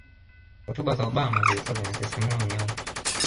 hotuba za obama zilikuwa zinasisimua mioyo